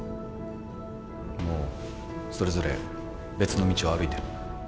もうそれぞれ別の道を歩いてる。